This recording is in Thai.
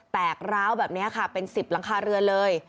กร้าวแบบนี้ค่ะเป็น๑๐หลังคาเรือนเลย